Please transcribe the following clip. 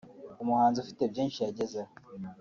umuhanzi ufite byinshi yagezeho